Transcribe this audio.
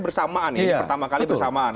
bersamaan ini pertama kali bersamaan